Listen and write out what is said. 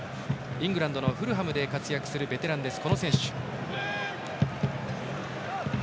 イングランドのフルハムで活躍するベテランです。